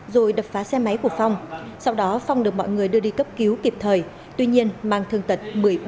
rồi đập phá xe máy của phong sau đó phong được mọi người đưa đi cấp cứu kịp thời tuy nhiên mang thương tật một mươi bốn